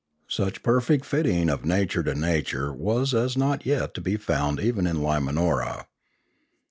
Such perfect fitting of nature to nature was not as yet to be found even in Limanora.